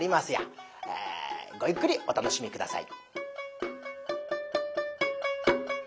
ごゆっくりお楽しみ下さい。